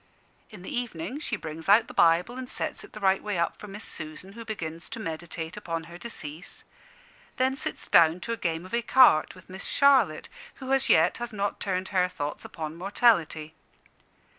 In the evening she brings out the Bible and sets it the right way up for Miss Susan, who begins to meditate on her decease; then sits down to a game of ecarte with Miss Charlotte, who as yet has not turned her thoughts upon mortality.